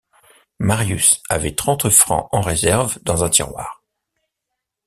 Marius avait trente francs en réserve dans un tiroir.